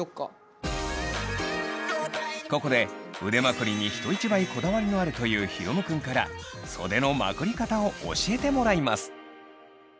ここで腕まくりに人一倍こだわりのあるというヒロムくんから袖のまくり方を教えてもらいます。